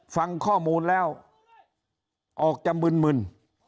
ฟังข้อมูลแล้วออกจะมึน